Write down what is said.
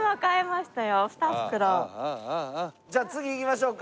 じゃあ次行きましょうか。